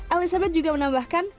elizabeth juga menambahkan